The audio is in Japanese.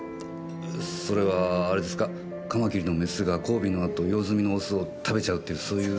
それはあれですかカマキリのメスが交尾の後用済みのオスを食べちゃうってそういう。